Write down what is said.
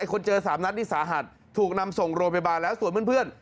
คนเจอ๓นัดนี่สาหัสถูกนำส่งโรงพยาบาลแล้วส่วนเพื่อน